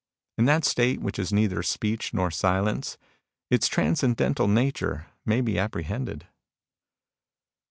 In that state which is neither speech nor silence, its transcendental nature may be apprehended."